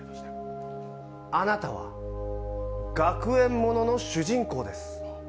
あなたは学園ものの主人公です。